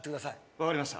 分かりました。